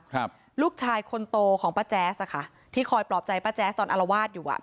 ครับลูกชายคนโตของป้าแจ๊สอ่ะค่ะที่คอยปลอบใจป้าแจ๊สตอนอารวาสอยู่อ่ะ